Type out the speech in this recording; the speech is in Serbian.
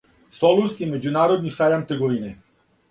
Солунски међународни сајам трговине.